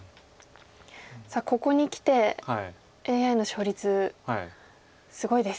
さあここにきてＡＩの勝率すごいです。